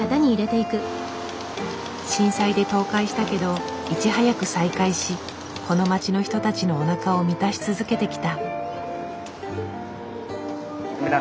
震災で倒壊したけどいち早く再開しこの街の人たちのおなかを満たし続けてきた。